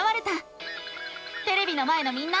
テレビの前のみんな！